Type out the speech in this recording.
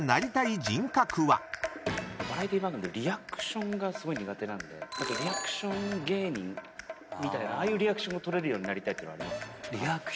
バラエティー番組のリアクションがすごい苦手なんでリアクション芸人みたいなああいうリアクション取れるようになりたいっていうのはありますね。